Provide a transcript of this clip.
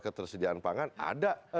ketersediaan pangan ada